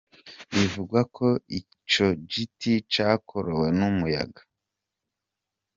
Bivugwa ko ico giti cakorowe n'umuyaga.